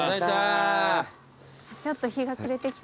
ちょっと日が暮れてきて。